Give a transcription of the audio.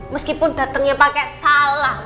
meskipun datengnya pakai salam